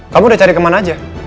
kamu udah cari kemana aja